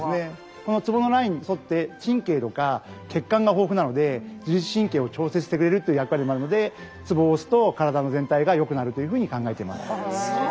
このツボのラインにそって神経とか血管が豊富なので自律神経を調節してくれるという役割もあるのでツボを押すと体の全体がよくなるというふうに考えています。